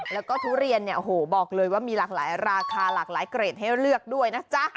แล้วก็ทุเรียนเนี่ยโอ้โหบอกเลยว่ามีหลากหลายราคาหลากหลายเกรดให้เลือกด้วยนะจ๊ะ